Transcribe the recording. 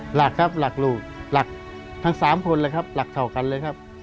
หลักครับหลักลูกหลักทั้ง๓คนเลยครับหลักเท่ากันเลยครับ